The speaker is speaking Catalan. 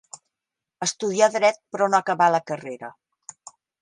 Estudià dret, però no acabà la carrera.